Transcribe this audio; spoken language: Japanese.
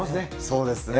そうですね。